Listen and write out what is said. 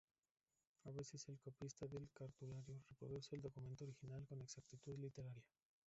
A veces el copista del cartulario reproduce el documento original con exactitud literaria.